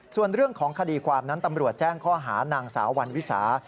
ส่วนเรื่องของคดีความนั้นตำรวจแจ้งข้อหานางสาววันวิสา